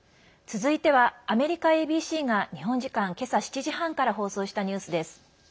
続いてはアメリカＡＢＣが日本時間けさ７時半から放送したニュースです。